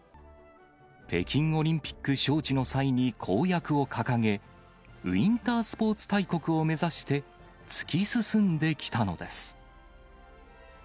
北京オリンピック招致の際に公約を掲げ、ウインタースポーツ大国を目指して突き進んできたのです。